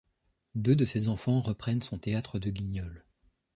Deux de ses dix enfants reprennent son théâtre de Guignol.